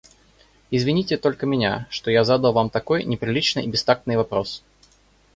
Извините только меня, что я задал вам такой неприличный и бестактный вопрос.